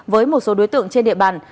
với một số đối tượng trên địa bàn